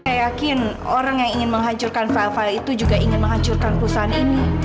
saya yakin orang yang ingin menghancurkan file file itu juga ingin menghancurkan perusahaan ini